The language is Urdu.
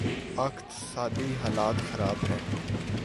اقتصادی حالت خراب ہے۔